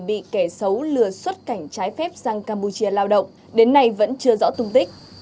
bị kẻ xấu lừa xuất cảnh trái phép sang campuchia lao động đến nay vẫn chưa rõ tung tích